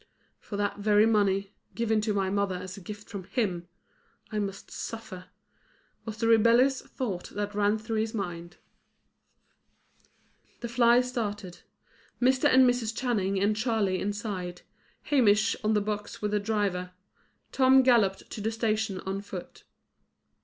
"For that very money, given to my mother as a gift from him, I must suffer," was the rebellious thought that ran through his mind. The fly started. Mr. and Mrs. Channing and Charley inside, Hamish on the box with the driver. Tom galloped to the station on foot.